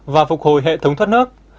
và phục hồi hệ thống thoát nước